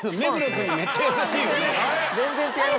全然違いますよ。